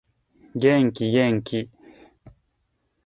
元気元気